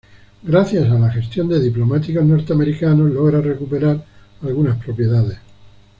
Gracias a la gestión de diplomáticos norteamericanos logra recuperar algunas propiedades.